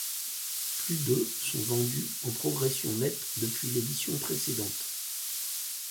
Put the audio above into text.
Plus de sont vendus, en progression nette depuis l'édition précédente.